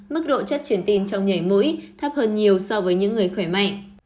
mức độ chất truyền tin trong nhảy mũi thấp hơn nhiều so với những người khỏe mạnh